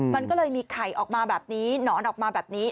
มันก็เลยมีไข่ออกมาแบบนี้หนอนออกมาแบบนี้